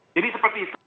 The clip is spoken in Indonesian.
jadi seperti itu